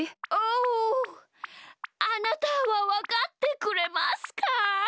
おおあなたはわかってくれますか？